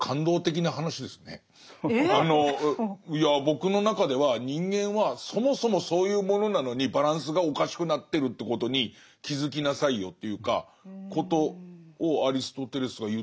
僕の中では人間はそもそもそういうものなのにバランスがおかしくなってるということに気付きなさいよということをアリストテレスが言ってる気がして。